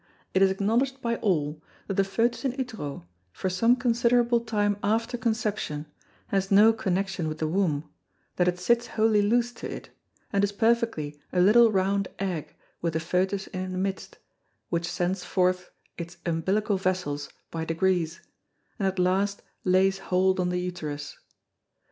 It is acknowledg'd by all, that the Fœtus in Utero, for some considerable time after Conception, has no connexion with the Womb, that it sits wholly loose to it, and is perfectly a little round Egg with the Fœtus in the midst, which sends forth its Umbilical Vessels by degrees, and at last lays hold on the Uterus.